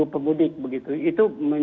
enam ribu pemudik begitu itu